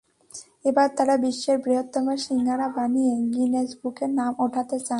এবার তাঁরা বিশ্বের বৃহত্তম শিঙাড়া বানিয়ে গিনেস বুকে নাম ওঠাতে চান।